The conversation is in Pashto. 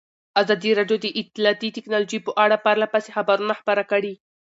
ازادي راډیو د اطلاعاتی تکنالوژي په اړه پرله پسې خبرونه خپاره کړي.